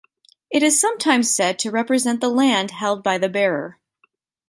It is sometimes said to represent the land held by the bearer.